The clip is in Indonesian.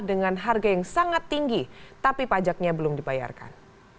dengan harga yang sangat tinggi tapi pajaknya belum dibayarkan